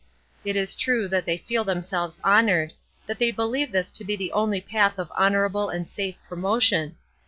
It is true that they feel themselves honored; that they believe this to be the only path of honorable and safe promotion.